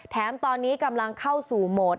แถมตอนนี้กำลังเข้าสู่โหมด